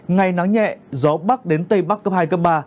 ngày nắng nhẹ gió bắc đến tây bắc cấp hai cấp ba